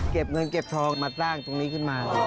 เก็บเงินเก็บทองมาสร้างตรงนี้ขึ้นมา